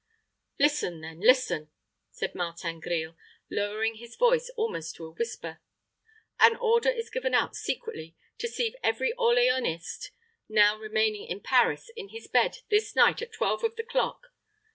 "Listen, then, listen," said Martin Grille, lowering his voice almost to a whisper. "An order is given out secretly to seize every Orleanist now remaining in Paris in his bed this night at twelve of the clock.